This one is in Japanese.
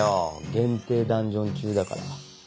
限定ダンジョン中だから。